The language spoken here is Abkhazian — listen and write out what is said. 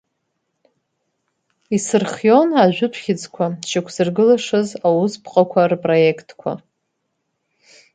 Исырхион ажәытә хьыӡқәа шьақәзыргылашаз Аусԥҟақәа рпроектқәа.